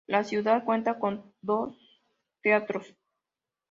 La ciudad cuenta con dos teatros.